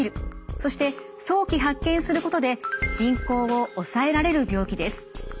そして早期発見することで進行を抑えられる病気です。